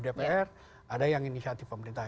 dpr ada yang inisiatif pemerintah